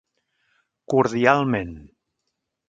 Cordialment.